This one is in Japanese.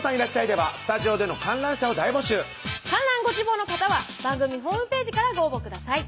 ではスタジオで観覧ご希望の方は番組ホームページからご応募ください